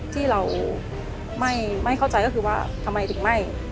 ที่เราไม่เข้าใจก็คือว่าทำไมถึงไม่